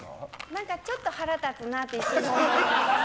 何かちょっと腹立つなっていう。